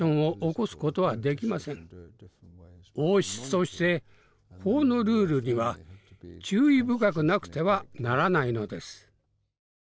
王室として法のルールには注意深くなくてはならないのです。